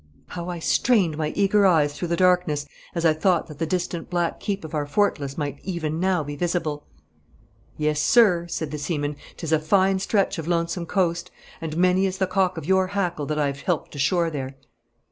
How I strained my eager eyes through the darkness as I thought that the distant black keep of our fortalice might even now be visible! 'Yes, sir,' said the seaman, ''tis a fine stretch of lonesome coast, and many is the cock of your hackle that I have helped ashore there.'